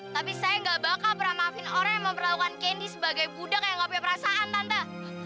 tapi saya gak bakal pernah maafin orang yang memperlakukan kendi sebagai budak yang gak punya perasaan tanda